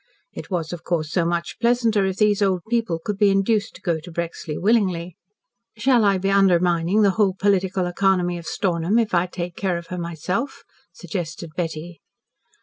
It was, of course, so much pleasanter if these old people could be induced to go to Brexley willingly. "Shall I be undermining the whole Political Economy of Stornham if I take care of her myself?" suggested Betty.